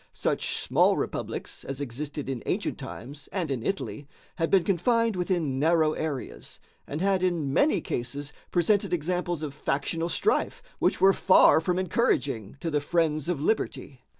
Such small republics as existed in ancient times and in Italy had been confined within narrow areas, and had in many cases presented examples of factional strife which were far from encouraging to the friends of liberty.